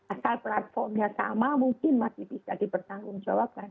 asal platformnya sama mungkin masih bisa dipertanggung jawab kan